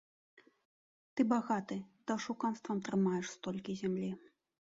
Ты багаты, ты ашуканствам трымаеш столькі зямлі.